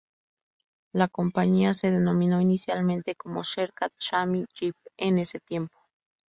La compañía se denominó inicialmente como "Sherkat-Sahami Jeep" en ese tiempo.